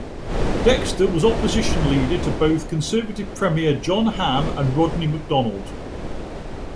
Dexter was Opposition Leader to both Conservative Premier John Hamm and Rodney MacDonald.